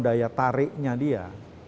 daya tariknya dia